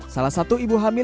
salah satu ibu hamil